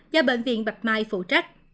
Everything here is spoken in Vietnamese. do bệnh viện bạch mai phụ trách